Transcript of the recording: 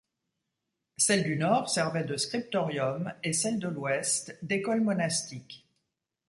Celles du Nord servaient de scriptorium et celles de l'Ouest d'école monastique.